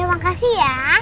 ya makasih ya